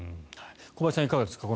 小林さん、いかがですか